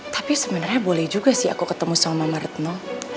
tapi sebenarnya boleh juga sih aku ketemu sama mama retno